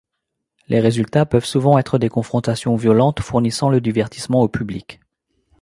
Les résultats peuvent souvent être des confrontations violentes, fournissant le divertissement au public.